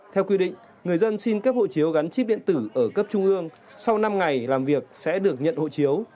theo quy định người dân xin cấp hộ chiếu gắn chip điện tử ở cấp trung ương sau năm ngày làm việc sẽ được nhận hộ chiếu